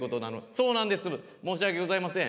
そうなんです申し訳ございません。